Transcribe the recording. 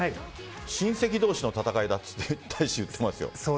親戚同士の戦いだと大使、言っていますよ。